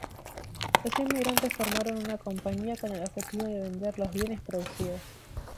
Los inmigrantes formaron una compañía con el objetivo de vender los bienes producidos.